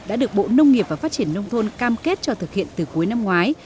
đã được bộ nông nghiệp và phát triển nông thôn cam kết cho thực hiện từ cuối năm ngoái